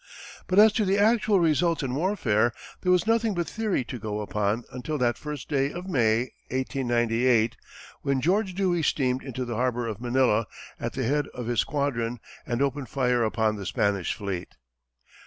But as to the actual results in warfare, there was nothing but theory to go upon until that first day of May, 1898, when George Dewey steamed into the harbor of Manila, at the head of his squadron, and opened fire upon the Spanish fleet.